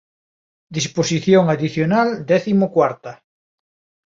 Disposición adicional décimo cuarta.